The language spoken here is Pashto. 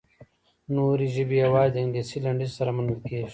نورې ژبې یوازې د انګلیسي لنډیز سره منل کیږي.